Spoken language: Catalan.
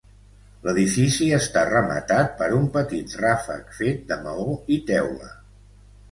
L'edifici està rematat per un petit ràfec fet de maó i teula.